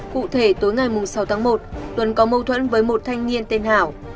cụ thể tối ngày sáu tháng một tuấn có mâu thuẫn với một thanh niên tên hảo